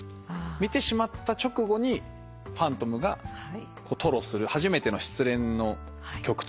見てしまった直後にファントムが吐露する初めての失恋の曲といいますか